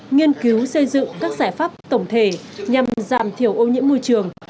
nghiên cứu xây dựng các giải pháp tổng thể nhằm giảm thiểu ô nhiễm môi trường